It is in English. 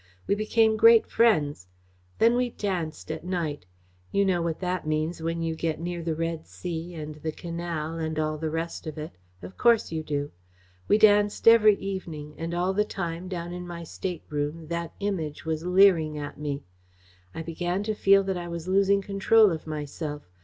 We became great friends. Then we danced at night. You know what that means when you get near the Red Sea, and the Canal, and all the rest of it. Of course you do. We danced every evening, and all the time, down in my stateroom, that Image was leering at me. I began to feel that I was losing control of myself.